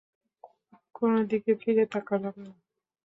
কোন দিকে ফিরে তাকালাম না।